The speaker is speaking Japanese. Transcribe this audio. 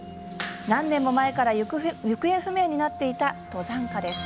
何年も前から行方不明になっていた登山家です。